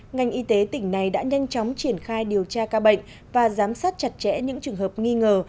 ngành y tế tỉnh này đã nhanh chóng triển khai điều tra ca bệnh và giám sát chặt chẽ những trường hợp nghi ngờ